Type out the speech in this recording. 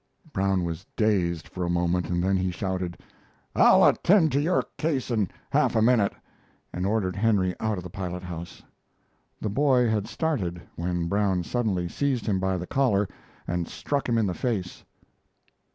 Brown was dazed for a moment and then he shouted: "I'll attend to your case in half a minute!" and ordered Henry out of the pilot house. The boy had started, when Brown suddenly seized him by the collar and struck him in the face.